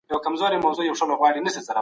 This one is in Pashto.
که تګلاري سمي وای دولت به نه کمزوری کيده.